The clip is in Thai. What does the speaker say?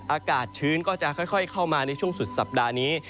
อากาศชื้นก็จะค่อยเข้ามาในช่วงสุดสัปดาห์นี้